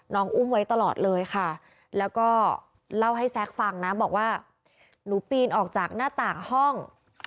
อุ้มไว้ตลอดเลยค่ะแล้วก็เล่าให้แซคฟังนะบอกว่าหนูปีนออกจากหน้าต่างห้อง